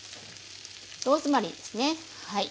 ローズマリーですねはい。